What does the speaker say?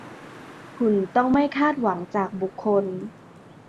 คุณต้องไม่คาดหวังจากบุคคล